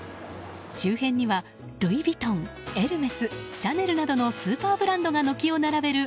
周辺にはルイ・ヴィトンエルメス、シャネルなどのスーパーブランドが軒を連ねる